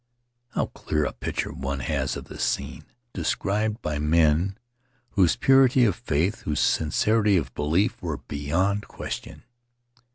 How clear a picture one has of the scene, described by men whose purity of faith, whose sincerity of belief, were beyond question.